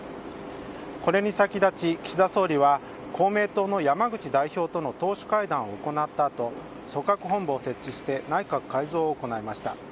これに先立ち、岸田総理は公明党の山口代表との党首会談を行ったあと組閣本部を設置して内閣改造を行いました。